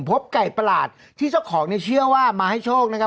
พบไก่ประหลาดที่เจ้าของเนี่ยเชื่อว่ามาให้โชคนะครับ